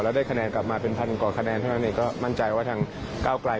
และได้คะแนนกลับมาเป็น๑๐๐๐นี่ก็มั่นใจว่าทางเก้าไกล